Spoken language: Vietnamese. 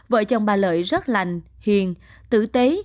vợ chồng bà lợi rất lành hiền tử tế